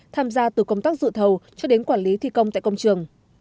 tham gia từ công tác dự thầu cho đến quản lý thi công tại công trường